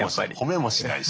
褒めもしないし。